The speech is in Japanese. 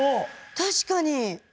確かに。